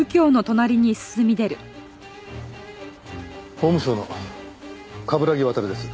法務省の冠城亘です。